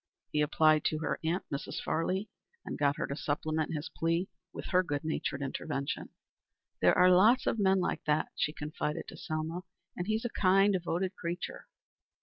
He applied to her aunt, Mrs. Farley, and got her to supplement his plea with her good natured intervention. "There are lots of men like that," she confided to Selma, "and he's a kind, devoted creature."